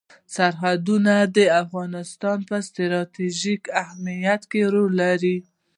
سرحدونه د افغانستان په ستراتیژیک اهمیت کې رول لري.